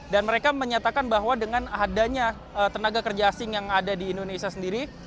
mereka menyatakan bahwa dengan adanya tenaga kerja asing yang ada di indonesia sendiri